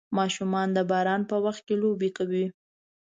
ماشومان د باران په وخت کې لوبې کوي.